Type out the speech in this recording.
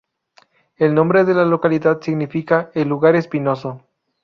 El nombre de la localidad significa "el lugar espinoso".